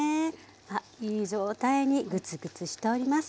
あっいい状態にグツグツしております。